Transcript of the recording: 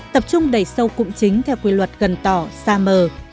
tập trung đẩy sâu cụm chính theo quy luật gần tỏ xa mờ